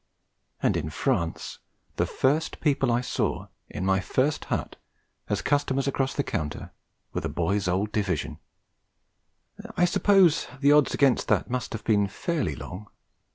And in France the first people I saw, in my first hut, as customers across the counter, were the boy's old Division! I suppose the odds against that must have been fairly long.